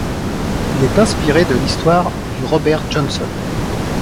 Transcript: Il est inspiré de l'histoire du Robert Johnson.